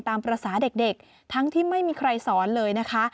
ตามภาษาเด็กทั้งที่ไม่มีใครสอนเลยนะคะ